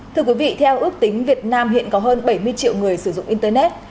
thưa quý vị theo ước tính việt nam hiện có hơn bảy mươi triệu người sử dụng internet